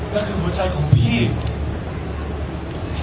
นั่นคือหัวใจของพี่